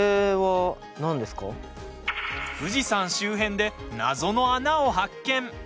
富士山周辺で謎の穴を発見。